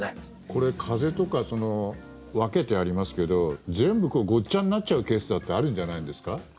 これ風邪とか分けてありますけど全部ごっちゃになっちゃうケースだってあるんじゃないんですか？